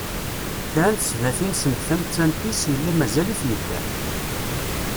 Kra n tsadatin send tamettant-is, yella mazal-it yedder.